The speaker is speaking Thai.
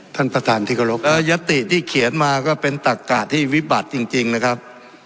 ท่านประธานธิกประโยคยัตติเอ่อยัตติที่เขียนมาก็เป็นตักะที่วิบัติจริงจริงนะครับ